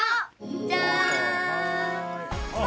じゃん。